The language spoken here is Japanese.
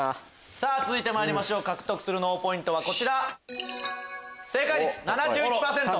さぁ続いてまいりましょう獲得する脳ポイントはこちら。